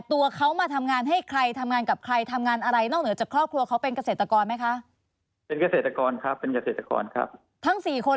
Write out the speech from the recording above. ทั้ง๔คนเลยหรอคะ